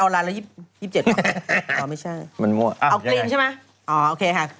เอากรีนใช่ไหมอ๋อโอเคค่ะ